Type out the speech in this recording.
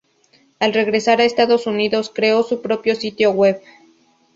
Al regresar a Estados Unidos, creó su propio sitio web.